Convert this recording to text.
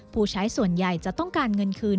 ผู้ใช้ส่วนใหญ่จะต้องการเงินคืน